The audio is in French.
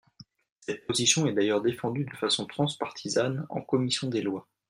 Cette position est d’ailleurs défendue de façon transpartisane en commission des lois.